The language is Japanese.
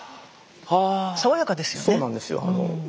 爽やかですよね。